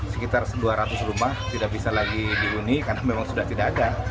sekitar dua ratus rumah tidak bisa lagi dihuni karena memang sudah tidak ada